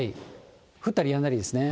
降ったりやんだりですね。